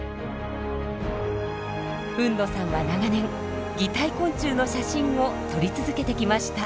海野さんは長年擬態昆虫の写真を撮り続けてきました。